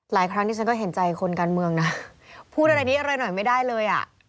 ครั้งนี้ฉันก็เห็นใจคนการเมืองนะพูดอะไรนี้อะไรหน่อยไม่ได้เลยอ่ะ